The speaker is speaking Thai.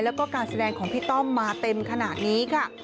แล้วก็การแสดงของพี่ต้อมมาเต็มขนาดนี้ค่ะ